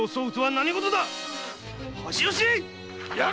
恥を知れっ！